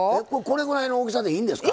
これぐらいの大きさでいいんですか？